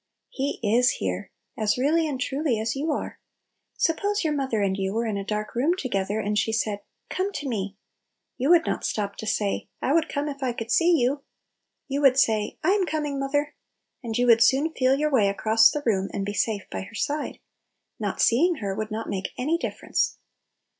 He is here, as really and truly as you are. Suppose your mother and you were in a dark room together, and she said, " Come to me !" you would not stop to say, "I would come if I could see you." You would say, "I am coming, moth er!" and you would soon feel your way across the room, and be safe by her side. Not seeing her would not make any difference.